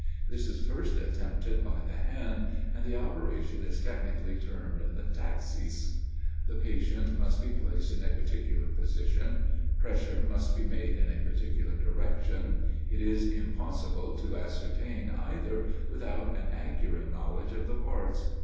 This is first attempted by the hand, and the operation is technically termed the taxis. The patient must be placed in a particular position; pressure must be made in a particular direction; it is impossible to ascertain either, without an accurate knowledge of the parts.